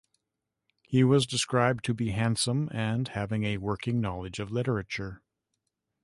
He was described to be handsome and having a working knowledge of literature.